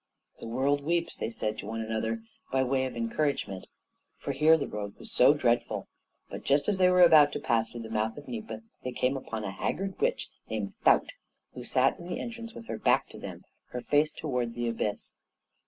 "The world weeps," they said one to another by way of encouragement, for here the road was so dreadful; but just as they were about to pass through the mouth of Gnipa they came upon a haggard witch named Thaukt, who sat in the entrance with her back to them, and her face toward the abyss.